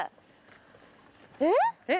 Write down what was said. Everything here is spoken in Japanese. えっ？